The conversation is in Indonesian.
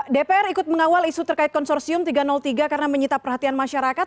dpr ikut mengawal isu terkait konsorsium tiga ratus tiga karena menyita perhatian masyarakat